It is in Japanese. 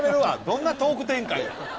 どんなトーク展開。